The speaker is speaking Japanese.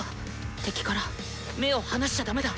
敵から目を離しちゃ駄目だ！